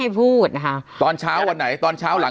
เดี๋ยวผมคุยกับพอแล้วกันตอนเช้าวันที่